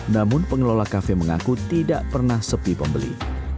namun pengelola kafe mengaku tidak pernah sepi pembeli